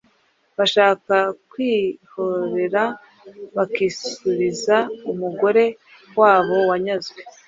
bashaka kwihorera bakisubiza umugore wabo wanyazwe.